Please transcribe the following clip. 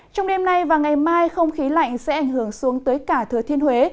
trong đêm nay và ngày mai không khí lạnh sẽ ảnh hưởng xuống tới cả thừa thiên huế